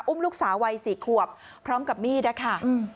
ลูกสาววัย๔ขวบพร้อมกับมีดนะคะ